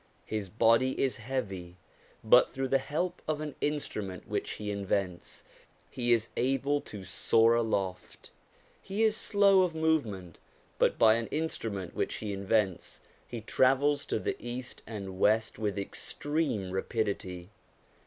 His body is heavy, but through the help of an instrument which he invents, he is able to soar aloft. He is slow of movement, but by an instrument which he invents he travels to the East and West with extreme rapidity.